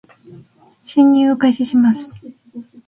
進入を開始します